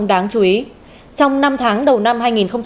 đáng chú ý trong năm tháng đầu năm hai nghìn một mươi sáu